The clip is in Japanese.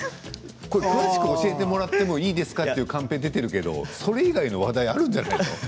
詳しく教えてもらってもいいですかというカンペが出ているけどそれ以外の話題があるんじゃない？